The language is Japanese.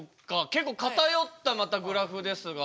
結構片寄ったまたグラフですが。